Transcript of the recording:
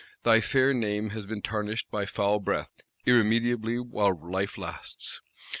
Thy fair name has been tarnished by foul breath; irremediably while life lasts.